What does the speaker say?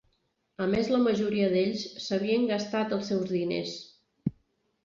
A més la majoria d'ells s'havien gastat els seus diners.